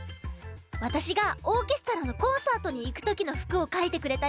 わたしがオーケストラのコンサートにいくときのふくをかいてくれたよ。